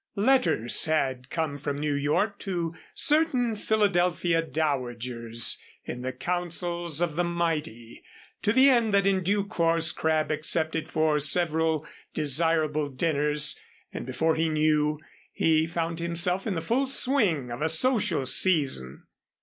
Letters had come from New York to certain Philadelphia dowagers in the councils of the mighty, to the end that in due course Crabb accepted for several desirable dinners, and before he knew he found himself in the full swing of a social season.